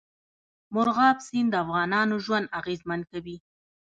مورغاب سیند د افغانانو ژوند اغېزمن کوي.